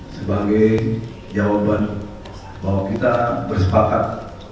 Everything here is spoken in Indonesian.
sebagai jawaban bahwa kita bersepakat